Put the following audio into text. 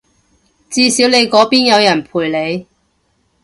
至少你嗰邊有人陪你